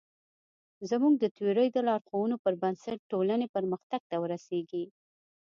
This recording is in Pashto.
زموږ د تیورۍ د لارښوونو پر بنسټ ټولنې پرمختګ ته ورسېږي.